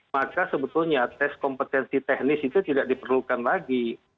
maka sebetulnya tes kompetensi teknis itu tidak diperlukan lagi